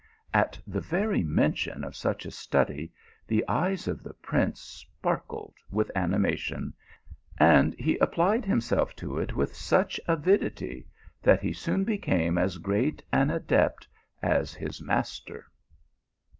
At the very mention of such a study the eyes of the prince sparkled with animation, and he applied himself to it with such avidity, that he soon became as great an adept as his master.